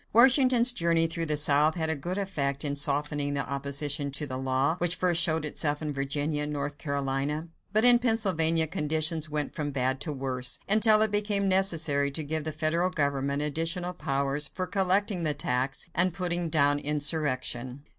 Washington's journey through the South had a good effect in softening the opposition to the law, which first showed itself in Virginia and North Carolina; but in Pennsylvania conditions went from bad to worse, until it became necessary to give the federal government additional powers for collecting the tax and putting down insurrection.